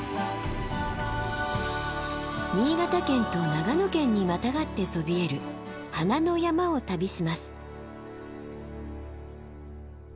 新潟県と長野県にまたがってそびえる花の山を旅します。